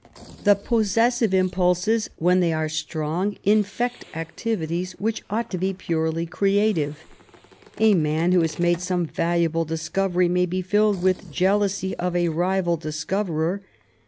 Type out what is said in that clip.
The possessive impulses, when they are strong, infect activities which ought to be purely creative. A man who has made some valuable discovery may be filled with jealousy of a rival discoverer.